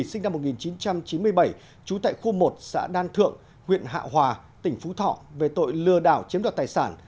sinh năm một nghìn chín trăm chín mươi bảy trú tại khu một xã đan thượng huyện hạ hòa tỉnh phú thọ về tội lừa đảo chiếm đoạt tài sản